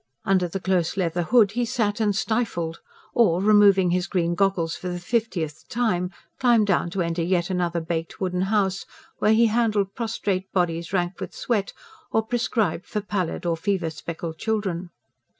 Under the close leather hood he sat and stifled; or, removing his green goggles for the fiftieth time, climbed down to enter yet another baked wooden house, where he handled prostrate bodies rank with sweat, or prescribed for pallid or fever speckled children.